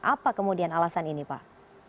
apa kemudian alasan ini pak